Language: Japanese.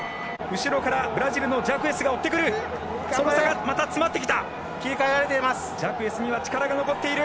後ろからブラジルのジャクエスが追ってくる。